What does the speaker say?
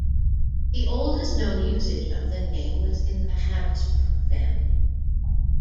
The oldest known usage of the name was in the Habsburg family.